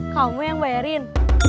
kamu yang bayarin